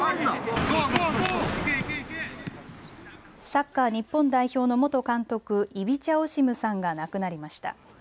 サッカー日本代表の元監督、イビチャ・オシムさんが亡くなりました。